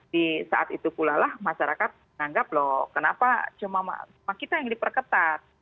di saat itu pula lah masyarakat menganggap loh kenapa cuma kita yang diperketat